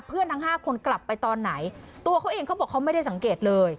ทั้งห้าคนกลับไปตอนไหนตัวเขาเองเขาบอกเขาไม่ได้สังเกตเลย